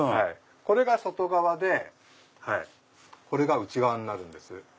これが外側でこれが内側になるんです。